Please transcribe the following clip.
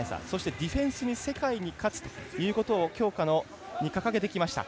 ディフェンスに世界に勝つということを強化に掲げてきました。